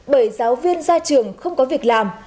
bởi giáo viên ra trường không có việc làm